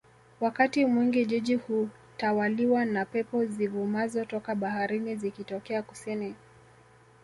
Wakati mwingi jiji hutawaliwa na pepo zivumazo toka baharini zikitokea Kusini